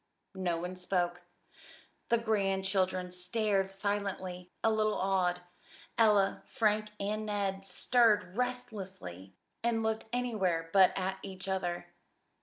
No one spoke. The grandchildren stared silently, a little awed. Ella, Frank, and Ned stirred restlessly and looked anywhere but at each other.